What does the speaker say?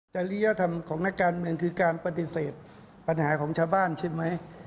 จริยธรรมของนักการเมืองคือการปฏิเสธปัญหาของชาวบ้านใช่ไหม